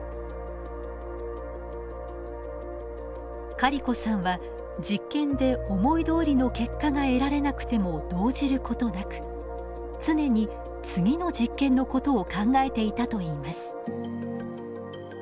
カリコさんは実験で思いどおりの結果が得られなくても動じることなく常に次の実験のことを考えていたといいます。